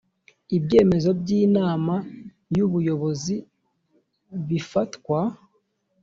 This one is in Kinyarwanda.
ibyemezo by inama y ubuyobozi bifatwa